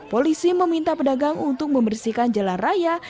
polisi meminta pedagang untuk membersihkan jalan raya